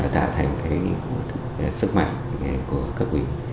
tạo thành cái sức mạnh của cấp ủy